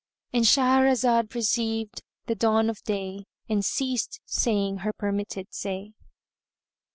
——And Shahrazad perceived the dawn of day and ceased saying her permitted say.